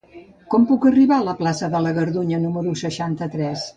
Com puc arribar a la plaça de la Gardunya número seixanta-tres?